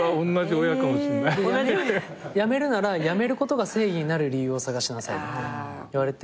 「やめるならやめることが正義になる理由を探しなさい」って言われて。